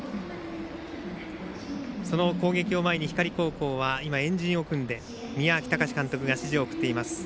その攻撃を前に光高校は円陣を組んで宮秋孝史監督が指示を送っています。